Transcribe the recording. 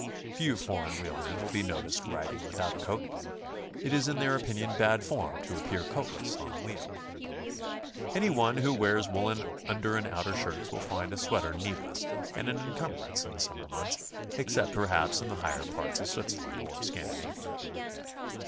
Few foreign wheelmen will be noticed riding without a coat; it is in their opinion bad form to appear coatless on the wheel. Any one who 'wears woolen under and outer shirts will find a sweater needless and an incumbrance in the summer months, except, perhaps, in the higher parts of Switzerland or Scandinavia.